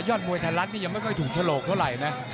มวยไทยรัฐนี่ยังไม่ค่อยถูกฉลกเท่าไหร่นะ